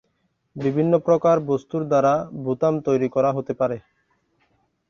বিভিন্ন প্রকার বস্তুর দ্বারা বোতাম তৈরি করা হতে পারে।